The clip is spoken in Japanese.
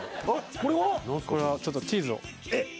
これはちょっとチーズをえっ！